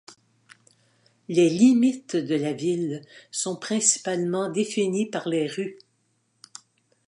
Les limites de la ville sont principalement définies par les rues.